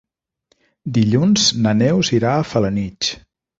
Dilluns na Neus irà a Felanitx.